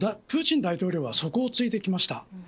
プーチン大統領はそこをついてきました。